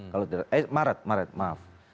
kalau tidak eh maret maret maaf